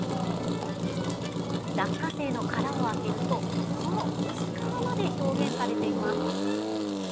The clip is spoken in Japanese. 落花生の殻を開けるとその薄皮まで表現されています。